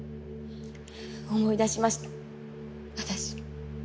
思い出しました私。